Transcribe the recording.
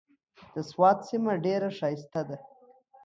د سوات سيمه ډېره ښايسته ده۔